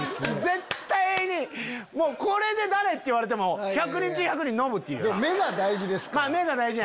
絶対にこれで誰？って言われても１００人中１００人「ノブ」って言うよな。